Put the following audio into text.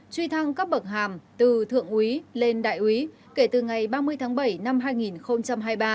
truy thăng cấp bậc hàm từ thượng úy lên đại úy kể từ ngày ba mươi tháng bảy năm hai nghìn hai mươi ba